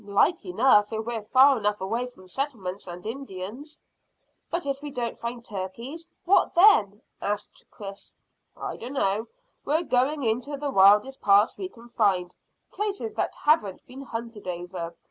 "Like enough; if we're far enough away from settlements and Indians." "But if we don't find turkeys, what then?" asked Chris. "I dunno. We're going into the wildest parts we can find, places that haven't been hunted over.